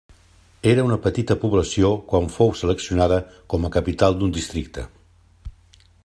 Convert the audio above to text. Era una petita població quan fou seleccionada com a capital d'un districte.